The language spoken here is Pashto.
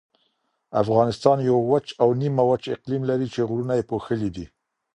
افغانستان یو وچ او نیمه وچ اقلیم لري چې غرونه یې پوښلي دي.